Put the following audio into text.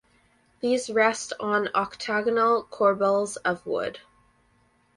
These rest on octagonal corbels of wood.